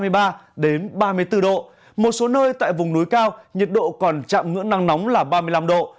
nhiệt độ cao đến ba mươi bốn độ một số nơi tại vùng núi cao nhiệt độ còn chạm ngưỡng nắng nóng là ba mươi năm độ